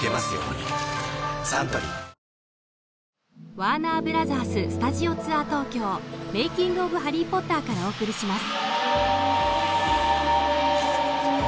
「ワーナーブラザーススタジオツアー東京」「−メイキング・オブ・ハリー・ポッター」からお送りします